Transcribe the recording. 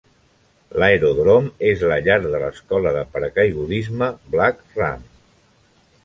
L'aeròdrom és la llar de l'Escola de Paracaigudisme Black Ram.